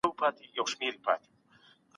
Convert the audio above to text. دا د پوهنتونو مهم مسولیت دی.